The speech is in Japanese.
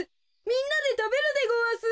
みんなでたべるでごわす。